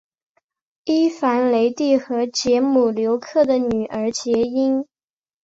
伊凡雷帝和捷姆留克的女儿结姻。